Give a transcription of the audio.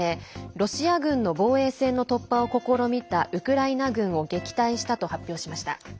ロシア軍の防衛線の突破を試みたウクライナ軍を撃退したと発表しました。